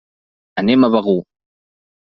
Anem a Begur.